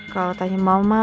kalau tanya mama